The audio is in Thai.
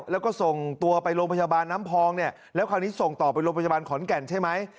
แล้วก็ส่งตัวไปโรงพยาบาลน้ำพองเนี่ยแล้วคราวนี้ส่งต่อไปโรงพยาบาลขอนแก่นใช่ไหม